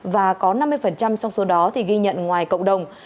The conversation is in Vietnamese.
và có năm mươi trong số đó thì ghi nhận ngoài cộng đồng